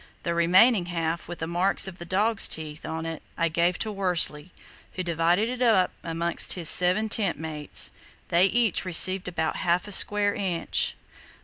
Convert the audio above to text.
The remaining half, with the marks of the dog's teeth on it, I gave to Worsley, who divided it up amongst his seven tent mates; they each received about half a square inch.